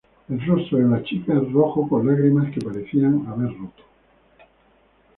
El rostro de la chica es rojo con lágrimas, que parecían haber roto.